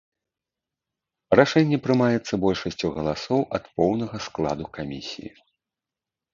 Рашэнне прымаецца большасцю галасоў ад поўнага складу камісіі.